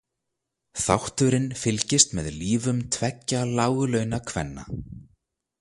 Þátturinn fylgist með lífum tveggja láglauna-kvenna.